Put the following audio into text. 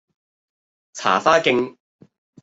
茶花徑